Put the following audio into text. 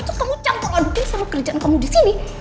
terus kamu campur adukin semua kerjaan kamu di sini